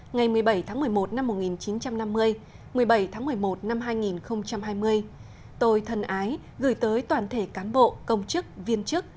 ngày một mươi bảy tháng một mươi một năm một nghìn chín trăm năm mươi một mươi bảy tháng một mươi một năm hai nghìn hai mươi tôi thân ái gửi tới toàn thể cán bộ công chức viên chức